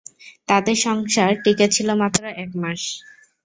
তাদের সংসার টিকে ছিল মাত্র এক মাস।